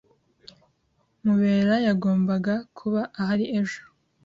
Mubera yagombaga kuba ahari ejo.